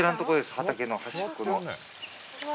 畑の端っこの。